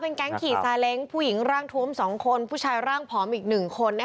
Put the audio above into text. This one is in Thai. แก๊งขี่ซาเล้งผู้หญิงร่างทวม๒คนผู้ชายร่างผอมอีก๑คน